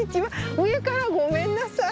上からごめんなさい。